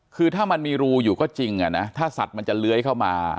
คือถ้ามันมีรูอยู่ก็จริงถ้าสัตว์มันจะเลื้อยเข้ามา